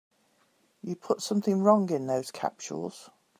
You put something wrong in those capsules.